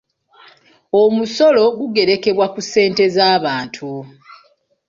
Omusolo gugerekebwa ku ssente z'abantu.